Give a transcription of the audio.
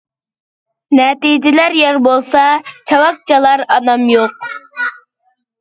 نەتىجىلەر يار بولسا، چاۋاك چالار ئانام يوق.